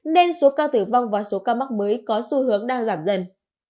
nên số ca tử vong và số ca mắc mới có xu hướng đang giảm dần